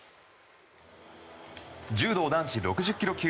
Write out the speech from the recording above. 柔道男子６０ｋｇ級。